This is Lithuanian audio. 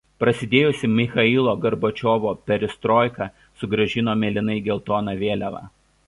Prasidėjusi Michailo Gorbačiovo "Perestroika" sugrąžino mėlynai geltoną vėliavą.